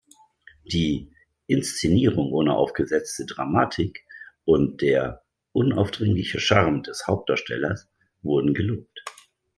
Die „"Inszenierung ohne aufgesetzte Dramatik"“ und der „"unaufdringliche Charme des Hauptdarstellers"“ wurden gelobt.